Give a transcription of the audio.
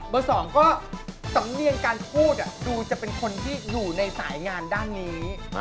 สองก็สำเนียงการพูดดูจะเป็นคนที่อยู่ในสายงานด้านนี้